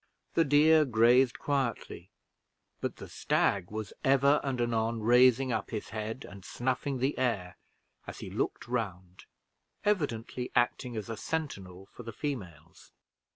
The deer grazed quietly, but the stag was ever and anon raising up his head and snuffing the air as he looked round, evidently acting as a sentinel for the females.